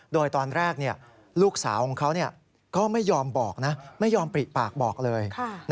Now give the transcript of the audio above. โดยตอนแรกลูกสาวของเขาก็ไม่ยอมบอกนะไม่ยอมปริปากบอกเลย